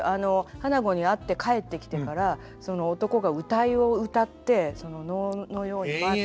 花子に会って帰ってきてからその男が謡をうたって能のように舞って。